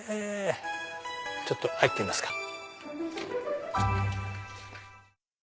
ちょっと入ってみますか。